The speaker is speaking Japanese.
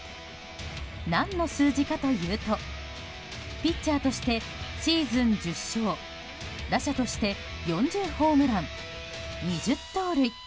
何の数字かというとピッチャーとしてシーズン１０勝打者として４０ホームラン２０盗塁。